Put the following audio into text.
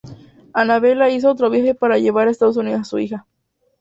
Annabella hizo otro viaje para llevar a Estados Unidos a su hija.